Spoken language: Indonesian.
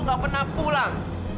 nggak pernah pulang